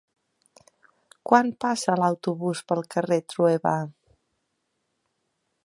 Quan passa l'autobús pel carrer Trueba?